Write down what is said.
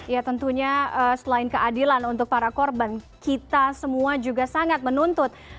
ya tentunya selain keadilan untuk para korban kita semua juga sangat menuntut